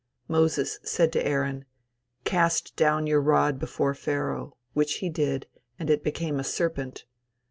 Moses said to Aaron; "Cast down your rod before Pharaoh," which he did, and it became a serpent.